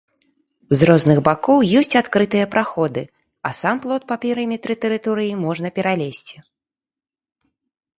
З розных бакоў ёсць адкрытыя праходы, а сам плот па перыметры тэрыторыі можна пералезці.